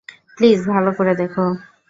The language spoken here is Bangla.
প্লিজ, ভালো করে দেখো।